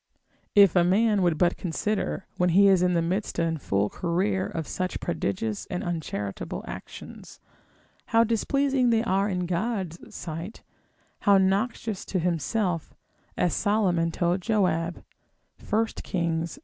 If a man would but consider, when he is in the midst and full career of such prodigious and uncharitable actions, how displeasing they are in God's sight, how noxious to himself, as Solomon told Joab, 1 Kings, ii.